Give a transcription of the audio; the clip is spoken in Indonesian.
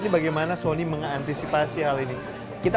ini bagaimana sony mengantisipasi hal ini